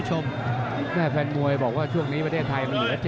ชิมสวยเบ๊บเบ๊สเล็ก